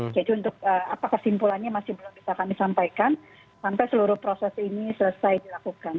untuk apa kesimpulannya masih belum bisa kami sampaikan sampai seluruh proses ini selesai dilakukan